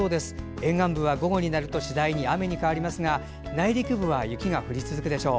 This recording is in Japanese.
沿岸部は午後になると次第に雨に変わりますが内陸部は雪が降り続くでしょう。